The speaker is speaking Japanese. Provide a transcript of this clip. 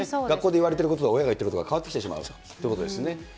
学校で言われていることと、親が言ってることが変わってきてしまうということですよね。